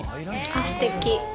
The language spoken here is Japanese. すてき。